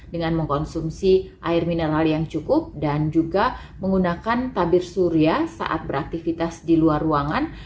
dengan mengkonsumsi air mineral yang cukup dan juga menggunakan tabir surya saat beraktivitas di luar ruangan